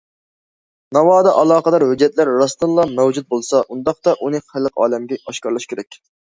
ناۋادا ئالاقىدار ھۆججەتلەر راستتىنلا مەۋجۇت بولسا، ئۇنداقتا ئۇنى خەلقىئالەمگە ئاشكارىلاش كېرەك.